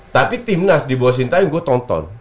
tapi timnas di bawah sintai yang gue nonton